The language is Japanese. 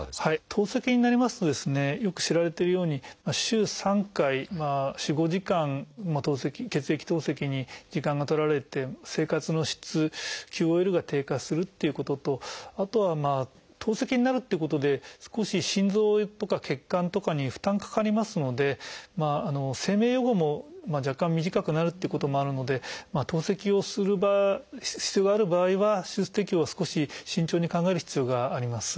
透析になりますとですねよく知られてるように週３回４５時間血液透析に時間が取られて生活の質ＱＯＬが低下するっていうこととあとは透析になるっていうことで少し心臓とか血管とかに負担かかりますので生命予後も若干短くなるっていうこともあるので透析をする必要がある場合は手術適応を少し慎重に考える必要があります。